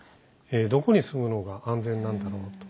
どこに住むのが安全なんだろうと。